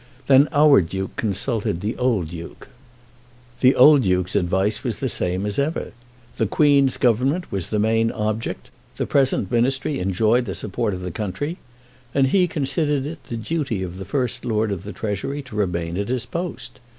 Then our Duke consulted the old Duke. The old Duke's advice was the same as ever. The Queen's Government was the main object. The present ministry enjoyed the support of the country, and he considered it the duty of the First Lord of the Treasury to remain at his post.